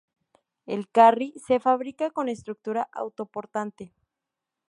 El Carry se fabrica con estructura autoportante.